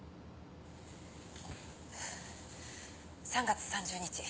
３月３０日。